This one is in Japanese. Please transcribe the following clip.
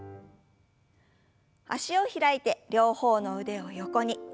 脚を開いて両方の腕を横に。